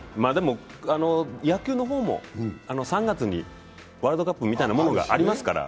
野球の方も３月にワールドカップみたいなもんがありますから。